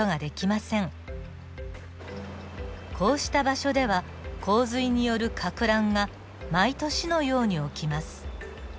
こうした場所では洪水によるかく乱が毎年のように起きます。